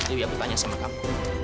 itu yang kupanya sama kamu